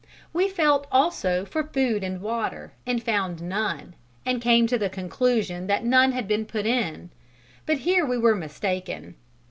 We felt also for food and water, and found none, and came to the conclusion that none had been put in; but here we were mistaken.